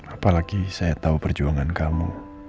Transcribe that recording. apalagi saya tahu perjuangan kamu